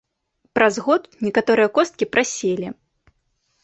Праз год некаторыя косткі праселі.